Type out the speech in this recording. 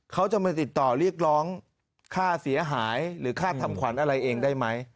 เขาจะมาติดต่อเรียกร้องค่าเสียหายหรือค่าทำขวัญอะไรเองได้ไหม